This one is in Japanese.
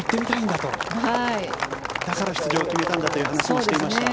だから出場を決めたんだという話をしていました。